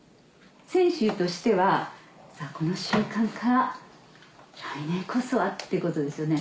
選手としては「さぁこの瞬間から来年こそは」っていうことですよね。